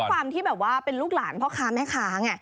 ความที่แบบว่าเป็นลูกหลานพ่อค้าแม่ค้าไง